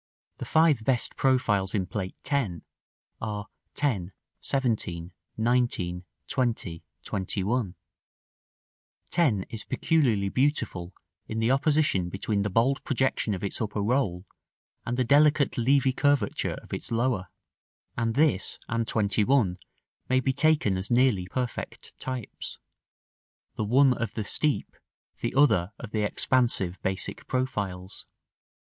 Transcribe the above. The five best profiles in Plate X. are 10, 17, 19, 20, 21; 10 is peculiarly beautiful in the opposition between the bold projection of its upper roll, and the delicate leafy curvature of its lower; and this and 21 may be taken as nearly perfect types, the one of the steep, the other of the expansive basic profiles.